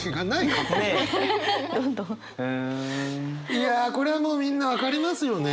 いやこれはもうみんな分かりますよね。